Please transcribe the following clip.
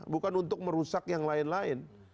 bukan untuk merusak yang lain lain